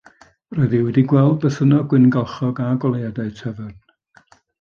Roedd hi wedi gweld bythynnod gwyngalchog a goleuadau tafarn.